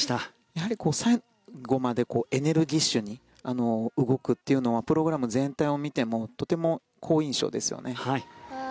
やはり最後までエネルギッシュに動くというのはプログラム全体を見てもとても好印象ですよね。